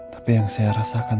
tapi yang saya rasakan